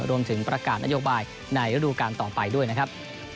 รวมถึงประกาศนโยบายในฤดูการต่อไปด้วยนะครับ